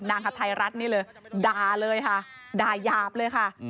ฮัทไทยรัฐนี่เลยด่าเลยค่ะด่ายาบเลยค่ะ